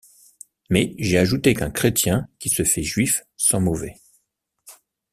Mais j’ai ajouté qu’un chrétien qui se fait juif sent mauvais.